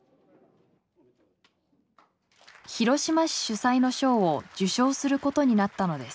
広島市主催の賞を受賞することになったのです。